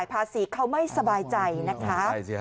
ภาษีเขาไม่สบายใจนะคะ